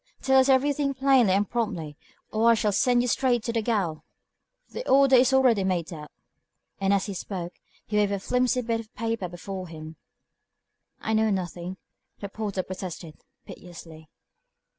"Tell us everything plainly and promptly, or I shall send you straight to gaol. The order is already made out;" and as he spoke, he waved a flimsy bit of paper before him. "I know nothing," the porter protested, piteously.